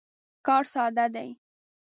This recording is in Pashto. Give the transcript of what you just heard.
کار ساده دی.